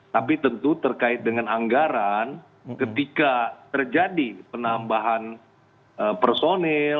tapi tentu terkait dengan anggaran ketika terjadi penambahan personil